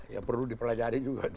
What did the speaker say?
ya perlu dipelajari juga